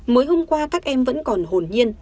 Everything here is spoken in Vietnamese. mới hôm qua các em vẫn còn hồn nhiên